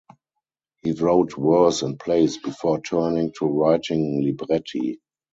He wrote verse and plays before turning to writing libretti.